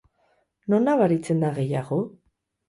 Non nabaritzen da gehiago?